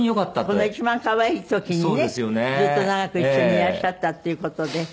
この一番可愛い時にねずっと長く一緒にいらっしゃったっていう事で。